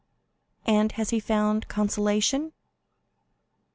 "And has he found consolation?"